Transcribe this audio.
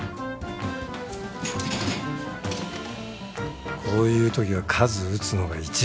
こういうときは数打つのが一番だ